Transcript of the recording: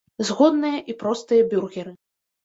Згодныя і простыя бюргеры.